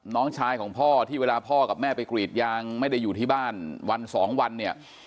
น้องชายของพ่อที่เวลาพ่อกับแม่ไปกรีดยางไม่ได้อยู่ที่บ้านวันสองวันเนี่ย